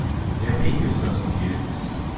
Der Weg ist das Ziel.